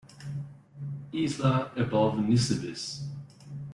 Izla above Nisibis.